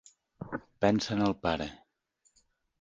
Pensa en el pare.